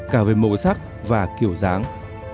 cả về màu sắc và kiểu dáng